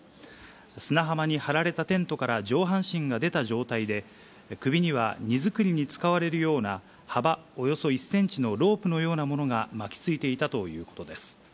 砂浜に張られたテントから上半身が出た状態で、首には荷造りに使われるような幅およそ１センチのロープのようなものが巻きついていたということです。